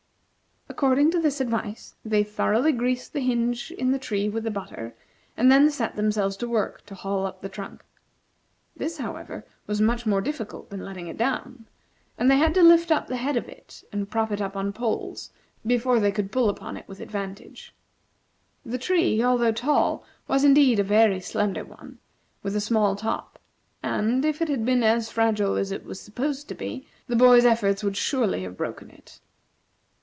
According to this advice, they thoroughly greased the hinge in the tree with the butter, and then set themselves to work to haul up the trunk. This, however, was much more difficult than letting it down; and they had to lift up the head of it, and prop it up on poles, before they could pull upon it with advantage. The tree, although tall, was indeed a very slender one, with a small top, and, if it had been as fragile as it was supposed to be, the boys' efforts would surely have broken it.